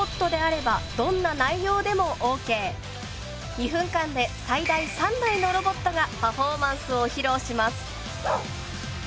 ２分間で最大３台のロボットがパフォーマンスを披露します。